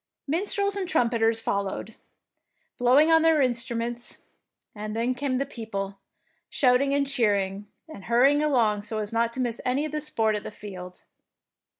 Minstrels and trumpeters followed along, blowing on their instruments; and then came the people, shouting and cheering, and hurrying along so as not to miss any of the sport at the field.